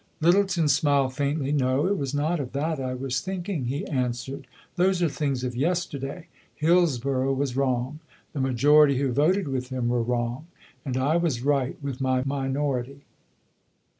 Lyttelton smiled faintly. "No, it was not of that I was thinking," he answered. "Those are things of yesterday. Hillsborough was wrong; the majority who voted with him were wrong; and I was right with my minority.